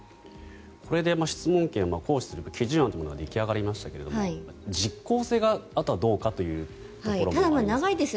これで質問権を行使する基準案というものが出来上がりましたが実効性があとはどうかというところもあります。